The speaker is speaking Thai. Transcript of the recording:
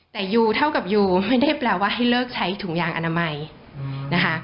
แต่ยูเท่ากับยูไม่ได้แปลว่าให้เลิกใช้ถุงยางอนามัยนะคะ